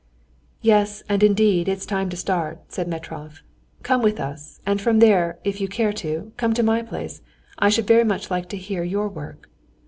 "Yes, and indeed it's time to start," said Metrov. "Come with us, and from there, if you care to, come to my place. I should very much like to hear your work."